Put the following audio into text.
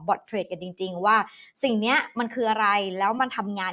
เทรดกันจริงจริงว่าสิ่งนี้มันคืออะไรแล้วมันทำงาน